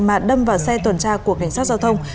mà đâm vào xe tuần tra của cảnh sát giao thông